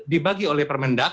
dibagi oleh permendak